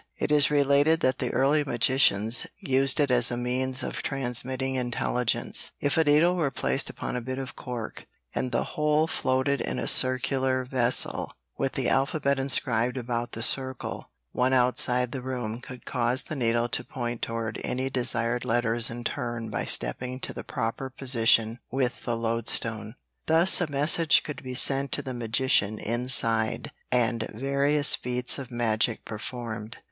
It is related that the early magicians used it as a means of transmitting intelligence. If a needle were placed upon a bit of cork and the whole floated in a circular vessel with the alphabet inscribed about the circle, one outside the room could cause the needle to point toward any desired letters in turn by stepping to the proper position with the lodestone. Thus a message could be sent to the magician inside and various feats of magic performed.